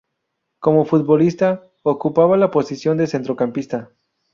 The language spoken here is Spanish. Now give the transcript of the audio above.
Como futbolista, ocupaba la posición de centrocampista.